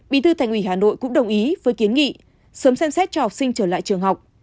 bí thư thành ủy hà nội cũng đồng ý với kiến nghị sớm xem xét cho học sinh trở lại trường học